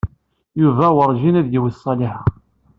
Yuba wurǧin ad yewwet Ṣaliḥa.